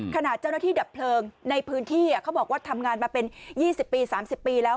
ขณะเจ้าหน้าที่ดับเพลิงในพื้นที่เขาบอกว่าทำงานมาเป็น๒๐ปี๓๐ปีแล้ว